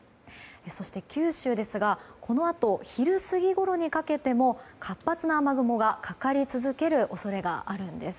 そして、九州ですがこのあと、昼過ぎごろにかけても活発な雨雲がかかり続ける恐れがあるんです。